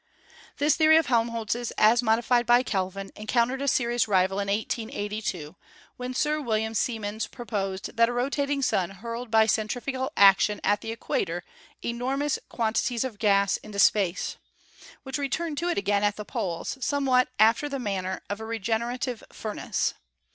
This theory of Helmholtz', as modified by Kelvin, en countered a serious rival in 1882 when Sir William Sie mens proposed that a rotating Sun hurled by centrifugal action at the equator enormous quantities of gas into space, which returned to it again at the poles, somewhat after the manner of a regenerative furnace.